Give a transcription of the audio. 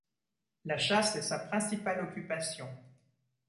La chasse est sa principale occupation.